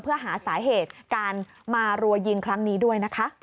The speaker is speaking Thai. เพื่อหาสาเหตุการมารัวยิงครั้งนี้ด้วยนะคะ